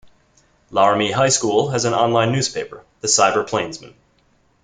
Laramie High School has an online newspaper, the CyberPlainsman.